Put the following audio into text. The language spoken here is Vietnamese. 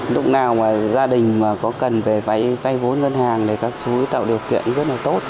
lúc nào mà gia đình có cần về vai vốn ngân hàng thì các chú ý tạo điều kiện rất là tốt